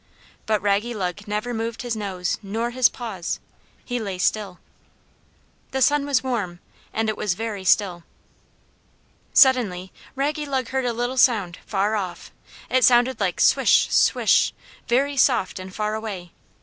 But Raggylug never moved his nose nor his paws; he lay still. The sun was warm, and it was very still. Suddenly Raggylug heard a little sound, far off. It sounded like "Swish, swish," very soft and far away.